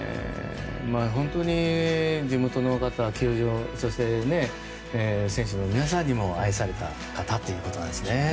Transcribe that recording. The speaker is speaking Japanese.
本当に地元の方球場、そして、選手の皆さんにも愛されたということなんですね。